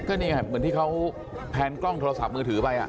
ก็นี่ไงเหมือนที่เขาแพนกล้องโทรศัพท์มือถือไป